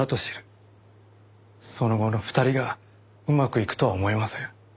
その後の２人がうまくいくとは思えません。